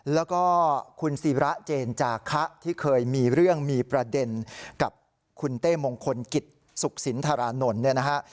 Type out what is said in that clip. แล้วก็คุณศิระเจนจาคะที่เคยมีเรื่องมีประเด็นกับคุณเต้มงคลกิจสุขสินธารานนท์เนี่ยนะฮะ